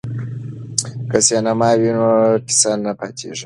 که سینما وي نو کیسه نه پاتیږي.